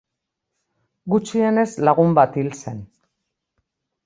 Gutxienez lagun bat hil zen.